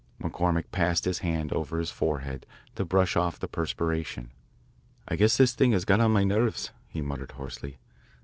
McCormick passed his hand over his forehead to brush off the perspiration. "I guess this thing has got on my nerves," he muttered hoarsely.